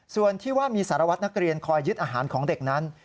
ส่วนที่ว่ามีสารวัตรนักเรียนคอยยึดอาหารของเด็กนั้น